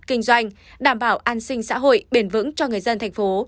kinh doanh đảm bảo an sinh xã hội bền vững cho người dân thành phố